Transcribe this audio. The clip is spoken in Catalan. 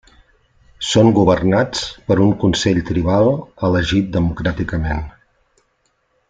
Són governats per un consell tribal elegit democràticament.